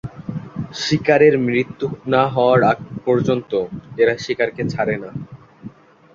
শিকারের মৃত্যু না হওয়ার আগ পর্যন্ত, এরা শিকার কে ছাড়ে না।